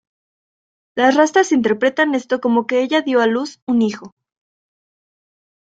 Los rastas interpretan esto como que ella dio a luz un hijo.